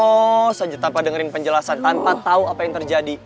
nyerocos aja tanpa dengerin penjelasan tanpa tau apa yang terjadi